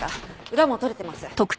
裏も取れてます。